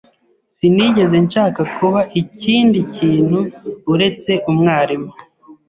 Sinigeze nshaka kuba ikindi kintu uretse umwarimu.